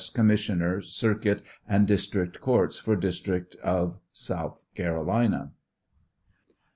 Commissioner Circuit and District Courts for District of South Carolina.